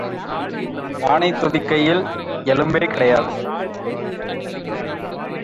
ஆனைத் துதிக்கையில் எலும்பே கிடையாது.